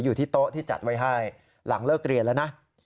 อยู่ที่โต๊ะที่จัดไว้ให้หลังเลิกเรียนแล้วนะ